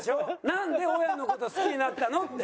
なんで大家の事を好きになったの？って。